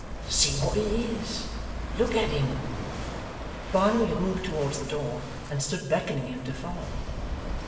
See what he is! Look at him!' Barnaby had moved towards the door, and stood beckoning him to follow.